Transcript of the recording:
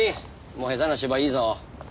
もう下手な芝居いいぞ。